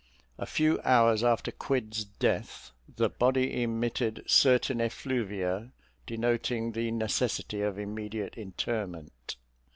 A few hours after Quid's death, the body emitted certain effluvia denoting the necessity of immediate interment.